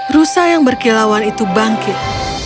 rusa yang berkilauan itu bangkit